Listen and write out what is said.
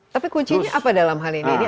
tapi kuncinya apa dalam hal ini